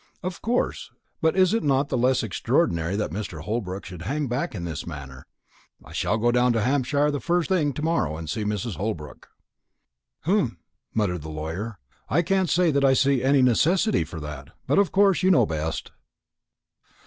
"Of course; but it is not the less extraordinary that Mr. Holbrook should hang back in this manner. I will go down to Hampshire the first thing to morrow and see Mrs. Holbrook." "Humph!" muttered the lawyer; "I can't say that I see any necessity for that. But of course you know best."